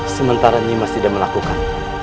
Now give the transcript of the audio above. sementara nimas tidak melakukan